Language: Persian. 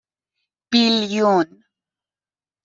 بیلیون